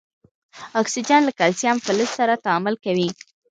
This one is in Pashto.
اکسیجن له کلسیم فلز سره تعامل کوي.